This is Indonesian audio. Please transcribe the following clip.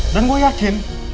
dan gue yakin